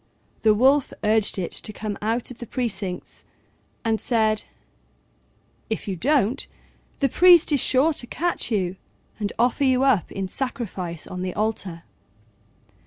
The Wolf urged it to come out of the precincts, and said, "If you don't, the priest is sure to catch you and offer you up in sacrifice on the altar."